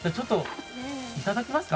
いただきますか？